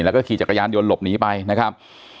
แล้วก็ขี่จักรยานยนต์หลบหนีไปนะครับ